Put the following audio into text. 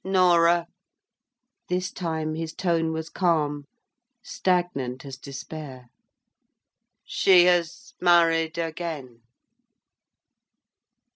"Norah!" This time his tone was calm, stagnant as despair. "She has married again!"